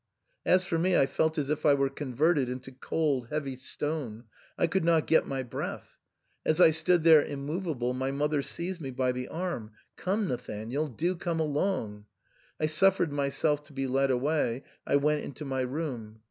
As for me, I felt as if I were converted into cold, heavy stone ; I could not get my breath. As I stood there immovable my mother seized me by the arm. " Come, Nathanael ! do come along !" I suffered my self to be led away ; I went into my room.